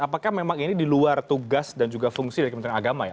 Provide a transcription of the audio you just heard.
apakah memang ini di luar tugas dan juga fungsi dari kementerian agama ya